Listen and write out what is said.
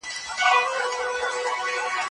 افغان کارګران عادلانه محکمې ته اسانه لاسرسی نه لري.